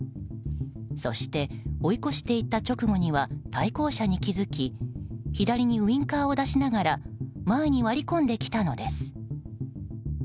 そして追い越していった直後には対向車に気付き左にウィンカーを出しながら前に割り込んできたのです。